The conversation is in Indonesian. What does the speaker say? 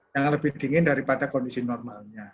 yang lebih dingin daripada kondisi normalnya